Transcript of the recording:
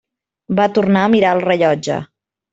Va tornar a mirar el rellotge.